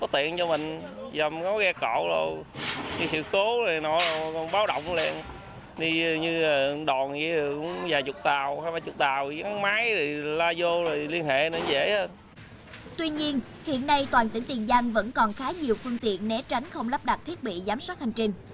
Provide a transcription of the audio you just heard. tuy nhiên hiện nay toàn tỉnh tiền giang vẫn còn khá nhiều phương tiện né tránh không lắp đặt thiết bị giám sát hành trình